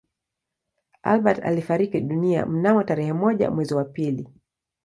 Albert alifariki dunia mnamo tarehe moja mwezi wa pili